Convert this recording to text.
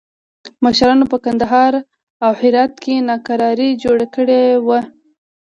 مشرانو په کندهار او هرات کې ناکراري جوړه کړې وه.